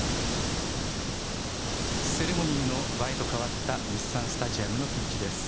セレモニーの場へと変わった日産スタジアムのピッチです。